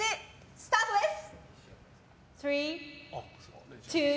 スタートです！